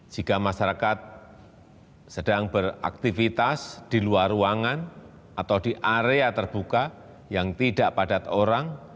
jika masyarakat sedang beraktivitas di luar ruangan atau di area terbuka yang tidak padat orang